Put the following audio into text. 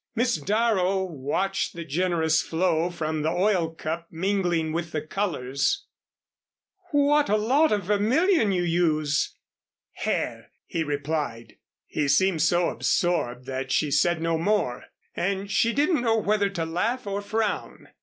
Miss Darrow watched the generous flow from the oil cup mingling with the colors. "What a lot of vermilion you use!" [Illustration: "'What a lot of vermilion you use.'"] "Hair," he replied. He seemed so absorbed that she said no more, and she didn't know whether to laugh or frown.